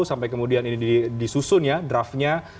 sampai kemudian ini disusun ya draftnya